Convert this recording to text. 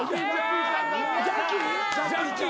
ジャッキー？